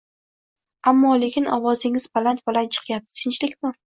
Ammo-lekin ovozingiz baland-baland chiqyapti, tinchlikmi?